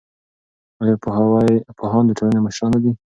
ایا پوهان د ټولنې مشران نه دي؟